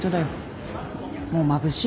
もうまぶしいもん。